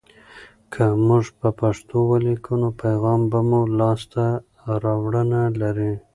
که موږ په پښتو ولیکو، نو پیغام به مو لاسته راوړنه لري.